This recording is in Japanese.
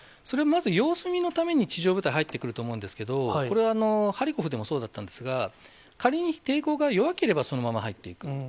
それまず、様子見のために地上部隊入ってくると思うんですけれども、これはハリコフでもそうだったんですが、仮に抵抗が弱ければそのまま入っていく。